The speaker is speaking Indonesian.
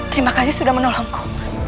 terima kasih sudah menolongku